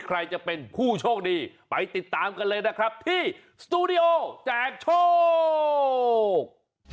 ใครจะเป็นผู้โชคดีไปติดตามกันเลยนะครับที่สตูดิโอแจกโชค